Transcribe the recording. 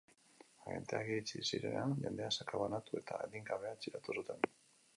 Agenteak iritsi zirenean, jendea sakabanatu eta adingabea atxilotu zuten.